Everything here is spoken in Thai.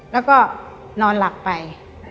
แล้วก็นอนหลับไป